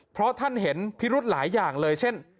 เพราะท่านเห็นพิรุธหลายอย่างเลยเช่น